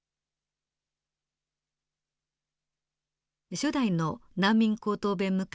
初代の難民高等弁務官